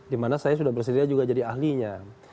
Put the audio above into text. di mana saya sudah bersedia juga jadi ahlinya